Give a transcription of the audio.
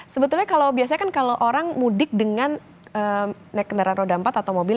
sebetulnya kalau biasanya kan kalau orang mudik dengan naik kendaraan roda empat atau mobil